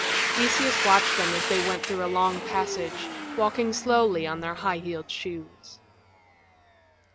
Theseus watched them as they went through a long passage, walking slowly on their high heeled shoes.